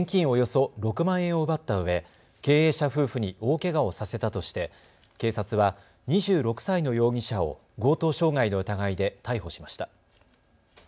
およそ６万円を奪ったうえ、経営者夫婦に大けがをさせたとして警察は２６歳の容疑者を強盗傷害の疑いで逮捕しました。